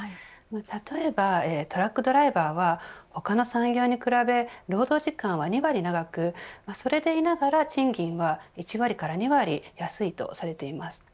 例えばトラックドライバーは他の産業に比べ労働時間は２割長くそれでいながら賃金は１割から２割安いとされています。